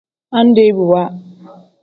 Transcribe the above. Andebiwa.